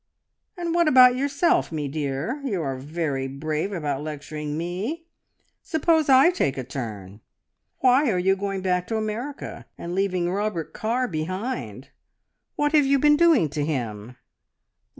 And what about yourself, me dear? You are very brave about lecturing me. Suppose I take a turn! Why are you going back to America and leaving Robert Carr behind? What have you been doing to him?"